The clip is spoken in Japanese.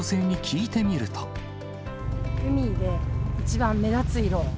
海で一番目立つ色。